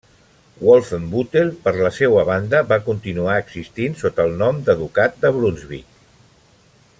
Wolfenbüttel, per la seua banda, va continuar existint sota el nom de Ducat de Brunsvic.